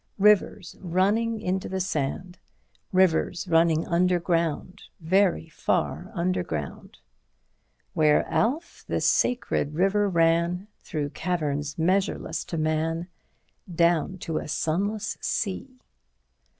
Rivers running into the sand—rivers running underground, very far down— Where Alph, the sacred river, ran Through caverns measureless to man Down to a sunless sea.